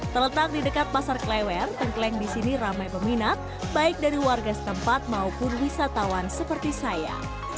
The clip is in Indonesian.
terletak di dekat pasar klewer tengkleng di sini ramai peminat baik dari warga setempat maupun wisatawan seperti saya